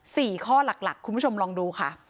สี่ข้อหลักหลักคุณผู้ชมลองดูค่ะ